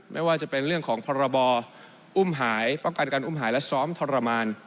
ไม่ว่าจะเป็นเรื่องของพรบอุ้มหายป้องกันการอุ้มหายและซ้อมทรมาน